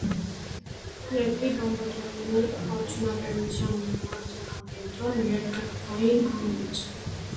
Երկրի բամբակեղենի արդյունաբերության և առևտրական կենտրոն, երկաթուղային հանգույց։